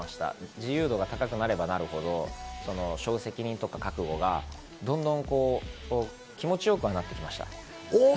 自由度が高くなればなるほど責任や覚悟が気持ち良くはなってきました。